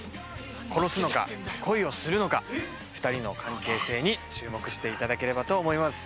殺すのか恋をするのか、２人の関係性に注目していただければと思います。